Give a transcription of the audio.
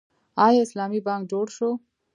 آیا اسلامي بانک جوړ شو؟